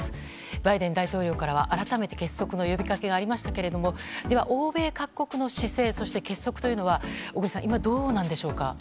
バイデン大統領からは改めて結束の呼びかけがありましたがでは、欧米各国の姿勢結束というのは小栗さん、今どうなんでしょうか。